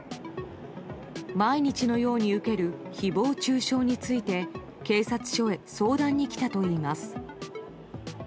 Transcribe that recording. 毎日のように受けるひぼう中傷について、警察署へ相談に来たといいます。